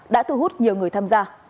đã thu hút nhiều người tham gia